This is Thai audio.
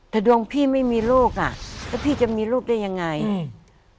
แต่ดวงพี่ไม่มีลูกอ่ะแล้วพี่จะมีลูกได้ยังไงอืม